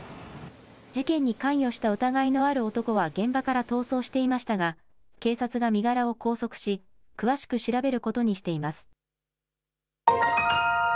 事件に関与した疑いのある男は現場から逃走していましたが、警察が身柄を拘束し、詳しく調べることにしています。